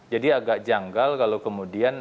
jadi agak janggal kalau kemudian